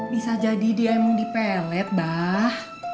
bisa jadi dia emang dipelet bah